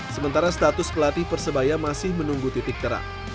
sementara status pelatih persebaya masih menunggu titik terang